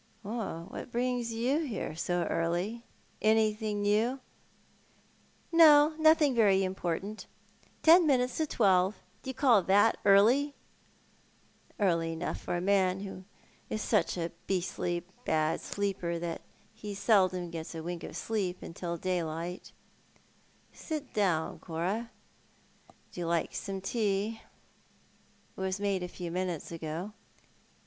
" What brings you here so early? Anything new ?"" Nothing very important. Ten minutes to twelve. Do you call that early ?"" Early enough for a man who is such a beastly bad sleeper that he seldom gets a wink of sleep till daylight. Sit down, Cora. Would you like some tea? It was made a few minutes ago."